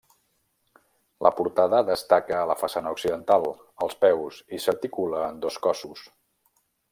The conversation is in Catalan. La portada destaca a la façana occidental, als peus, i s'articula en dos cossos.